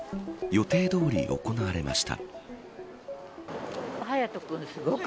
予定どおり行われました。